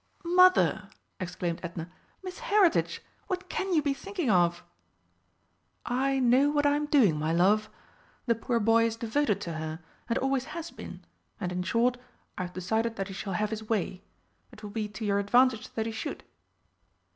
"Mother!" exclaimed Edna, "Miss Heritage! What can you be thinking of?" "I know what I am doing, my love. The poor boy is devoted to her and always has been, and, in short, I've decided that he shall have his way. It will be to your advantage that he should."